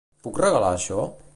Puc regalar això?